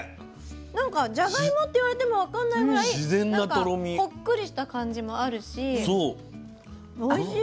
なんかじゃがいもって言われても分かんないぐらいほっくりした感じもあるしおいしい。